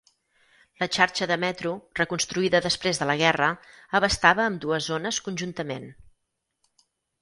La xarxa de metro, reconstruïda després de la guerra, abastava ambdues zones conjuntament.